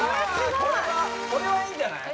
これはいいんじゃない？